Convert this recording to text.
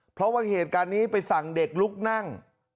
เพราะว่าเหตุการณ์นี้ไปสั่งเด็กลุกนั่ง